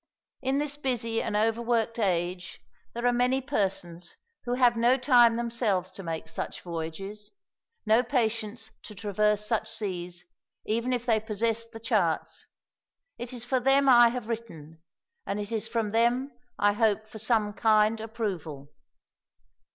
In this busy and overworked age there are many persons who have no time themselves to make such voyages, no patience to traverse such seas, even if they possessed the charts: it is for them I have written, and it is from them I hope for some kind approval.